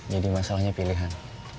jadi masalahnya pilihan